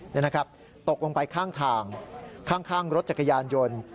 นี่นะครับตกลงไปข้างทางข้างรถจักรยานยนต์